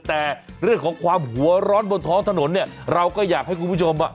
แต่เรื่องของความหัวร้อนบนท้องถนนเนี่ยเราก็อยากให้คุณผู้ชมอ่ะ